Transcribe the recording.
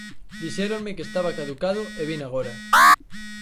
Dixéronme que estaba caducado e vin agora.